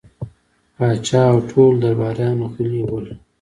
پاچا او ټول درباريان غلي ول.